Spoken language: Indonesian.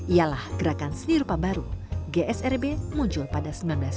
ialah gerakan seni rupa baru gsrb muncul pada seribu sembilan ratus sembilan puluh